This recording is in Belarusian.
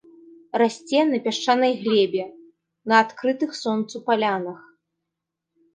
Расце на пясчанай глебе, на адкрытых сонцу палянах.